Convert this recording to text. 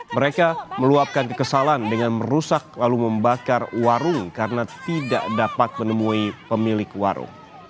mereka meluapkan kekesalan dengan merusak lalu membakar warung karena tidak dapat menemui pemilik warung